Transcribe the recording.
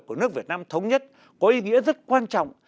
của nước việt nam thống nhất có ý nghĩa rất quan trọng